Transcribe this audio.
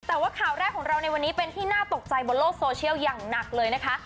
แต่ว่าข่าวแรกของเราในวันนี้เป็นที่น่าตกใจบนโลกโซเชียลอย่างหนักเลยนะคะ